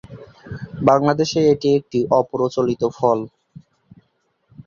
বাংলাদেশে এটি একটি অপ্রচলিত ফল।